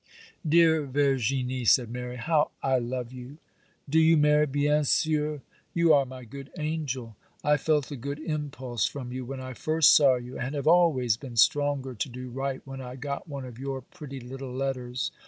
'Dear Verginie,' said Mary, 'how I love you!' 'Do you, Mary—bien sur? you are my good angel. I felt a good impulse from you when I first saw you, and have always been stronger to do right when I got one of your pretty little letters.